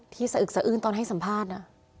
สะอึกสะอื้นตอนให้สัมภาษณ์